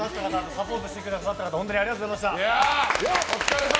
サポートしてくださった方本当にありがとうございました。